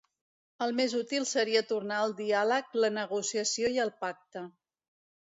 El més útil seria tornar al diàleg, la negociació i el pacte.